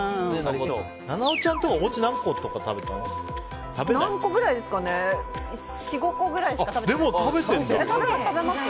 菜々緒ちゃんとかお餅何個とか食べたの？